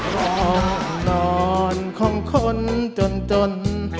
ห้องนอนของคนจนจน